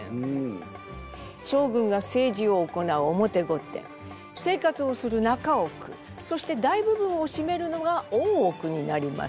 将軍が政治を行う表御殿生活をする中奥そして大部分をしめるのが大奥になります。